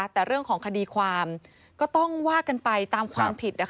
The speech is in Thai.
แต่เรื่องของคดีความก็ต้องว่ากันไปตามความผิด